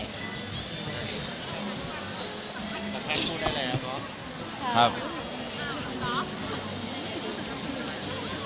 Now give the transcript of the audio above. แพ้คุณได้เลยครับป๊อป